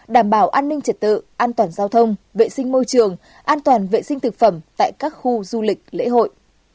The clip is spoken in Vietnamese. đảm bảo an ninh trật tự an toàn giao thông vệ sinh môi trường an toàn vệ sinh thực phẩm tại các khu du lịch lễ hội